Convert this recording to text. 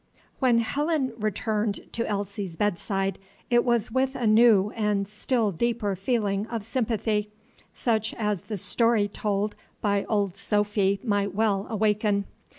When Helen returned to Elsie's bedside, it was with a new and still deeper feeling of sympathy, such as the story told by Old Sophy might well awaken.